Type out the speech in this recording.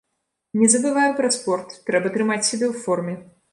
Не забываю пра спорт, трэба трымаць сябе ў форме.